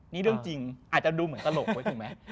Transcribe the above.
นี่เรื่องจริงอาจจะดูเหมือนตลก